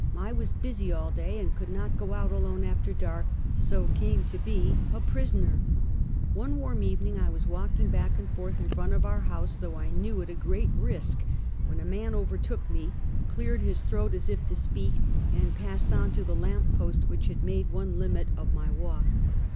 I was busy all day, and could not go out alone after dark, so came to be a prisoner. One warm evening I was walking back and forth in front of our house, though I knew it a great risk, when a man overtook me, cleared his throat as if to speak, and j)assed on to the lamp post, which had made one limit of my walk.